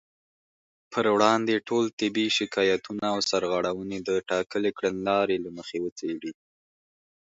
پر وړاندې ټول طبي شکايتونه او سرغړونې د ټاکلې کړنلارې له مخې وڅېړي